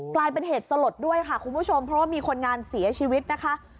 กลายเป็นเหตุสลดด้วยค่ะคุณผู้ชมเพราะว่ามีคนงานเสียชีวิตนะคะ